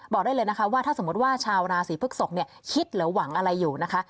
บอกได้เลยนะคะว่าถ้าสมมติว่าชาวราศีพฤกษกคิดหรือหวังอะไรอยู่นะคะ